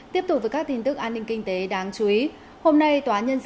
tiếp tục với các tin tức an ninh kinh tế